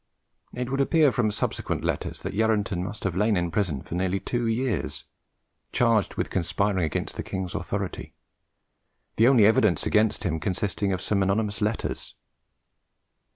It would appear from subsequent letters that Yarranton must have lain in prison for nearly two years, charged with conspiring against the king's authority, the only evidence against him consisting of some anonymous letter's.